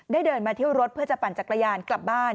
เดินมาเที่ยวรถเพื่อจะปั่นจักรยานกลับบ้าน